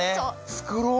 作ろう。